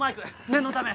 念のため。